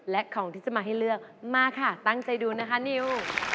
และของที่จะมาให้เลือกมาค่ะตั้งใจดูนะคะนิว